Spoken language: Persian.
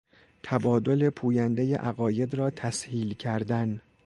تبادل پویندهی عقاید را تسهیل کردن